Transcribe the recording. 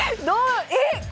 どうえっ⁉